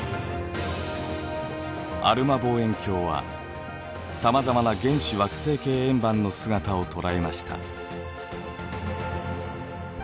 アルマ望遠鏡はさまざまな原始惑星系円盤の姿を捉えました。